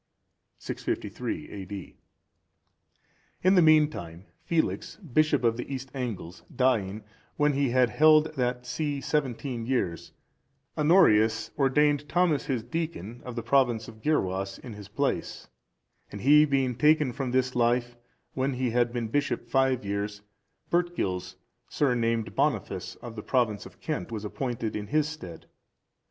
[653 A.D.] In the meantime, Felix, bishop of the East Angles, dying, when he had held that see seventeen years,(393) Honorius ordained Thomas his deacon, of the province of the Gyrwas,(394) in his place; and he being taken from this life when he had been bishop five years, Bertgils, surnamed Boniface,(395) of the province of Kent, was appointed in his stead.